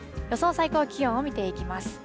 最高気温を見ていきます。